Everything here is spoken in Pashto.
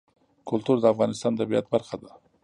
کلتور د افغانستان د طبیعت برخه ده.